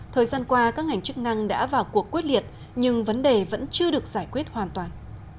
thời gian qua các ngành chức năng đã vào cuộc quyết liệt nhưng vấn đề vẫn chưa được giải quyết hoàn toàn